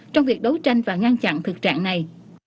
trong việc đấu tranh và ngăn chặn thực trạng này